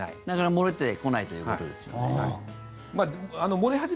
なかなか漏れてこないということですよね。